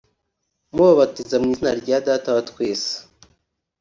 mubabatiza mu izina rya Data wa twese